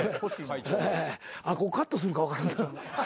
カットするか分からんな。